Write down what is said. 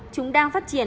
chúng đang phát triển